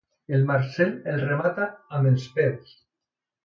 El Marcel el remata amb els peus.